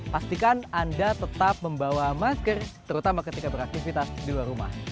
pastikan anda tetap membawa masker terutama ketika beraktivitas di luar rumah